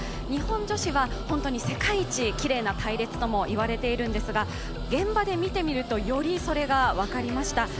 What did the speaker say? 日本女子は本当に世界一きれいな隊列とも言われているんですが、現場で見てみると、よりそれが分かりました。